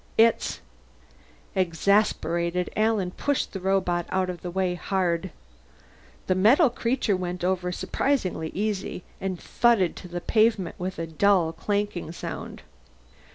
It's " Exasperated, Alan pushed the robot out of the way hard. The metal creature went over surprisingly easily, and thudded to the pavement with a dull clanking sound.